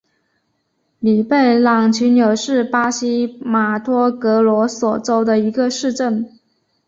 里贝朗齐纽是巴西马托格罗索州的一个市镇。